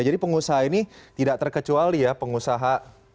jadi pengusaha ini tidak terkecuali ya pengusaha